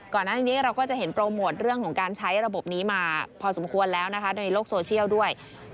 ก่อนหน้านี้เราก็จะเห็นโปรโมทเรื่องของการใช้ระบบนี้มาพอสมควรแล้วนะคะในโลกโซเชียลด้วย